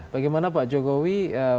bagaimana pak jokowi